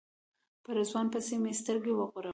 په رضوان پسې مې سترګې وغړولې.